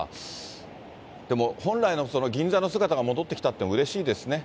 でも本来の銀座の姿が戻ってきたってのはうれしいですね。